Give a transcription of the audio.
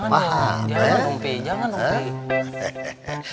jangan dong pi jangan pak pi